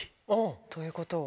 ということは。